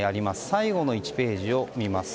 最後の１ページを見ます。